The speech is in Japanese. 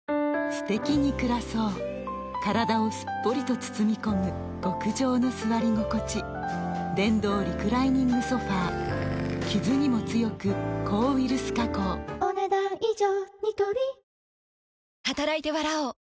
すてきに暮らそう体をすっぽりと包み込む極上の座り心地電動リクライニングソファ傷にも強く抗ウイルス加工お、ねだん以上。